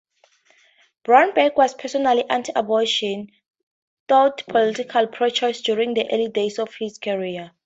Brownback was personally anti-abortion though politically pro-choice during the early days of his career.